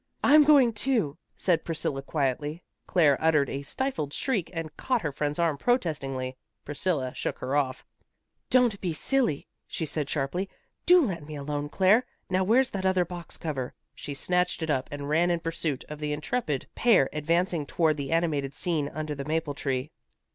"I'm going, too," said Priscilla quietly. Claire uttered a stifled shriek and caught her friend's arm protestingly. Priscilla shook her off. "Don't be silly," she said sharply. "Do let me alone, Claire. Now where's that other box cover?" She snatched it up and ran in pursuit of the intrepid pair advancing toward the animated scene under the maple tree.